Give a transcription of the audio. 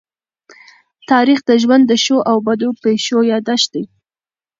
تاریخ د ژوند د ښو او بدو پېښو يادښت دی.